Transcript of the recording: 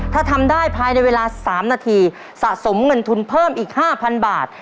ถ้าทำได้ภายในเวลา๓นาทีสะสมเงินทุนเพิ่มอีก๕๐๐บาท